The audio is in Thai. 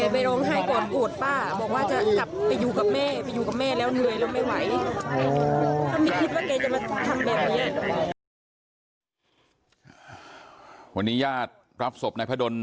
วันนี้ญาติรับศพในพะดน